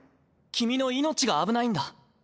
君の命が危ないんだ。